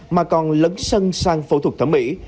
mà còn lấn sân sang phẫu thuật thẩm mỹ